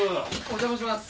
お邪魔します。